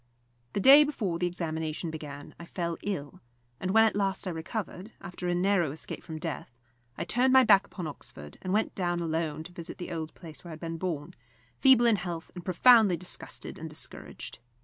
The day before the examination began I fell ill; and when at last I recovered, after a narrow escape from death, I turned my back upon Oxford, and went down alone to visit the old place where I had been born, feeble in health and profoundly disgusted and discouraged.